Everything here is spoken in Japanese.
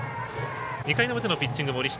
２回の表のピッチング、森下。